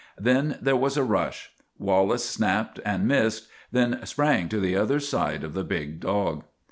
Then there was a rush. Wallace snapped and missed, then sprang to the other side of the big dog.